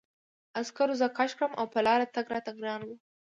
عسکرو زه کش کړم او په لاره تګ راته ګران و